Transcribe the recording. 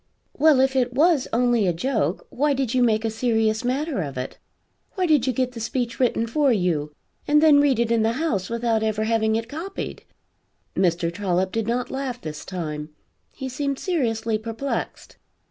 "Well if it was only a joke, why did you make a serious matter of it? Why did you get the speech written for you, and then read it in the House without ever having it copied?" Mr. Trollop did not laugh this time; he seemed seriously perplexed.